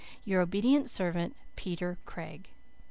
"Your obedient servant, "PETER CRAIG."